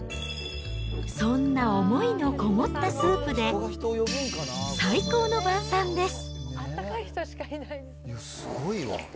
そんな思いの込もったスープで、最高の晩さんです。